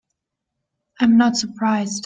I am not surprised.